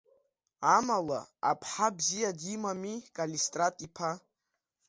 Амала, аԥҳа бзиа димами Калистрат-иԥа?